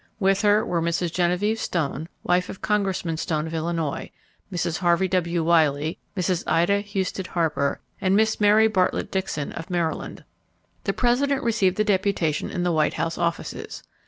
With her were Mrs. Genevieve Stone, wife of Congressman Stone of Illinois, Mrs. Harvey W. Wiley, Mrs. Ida Husted Harper, and Miss Mary Bartlett Dixon of Maryland. The President received the deputation in the White House Offices.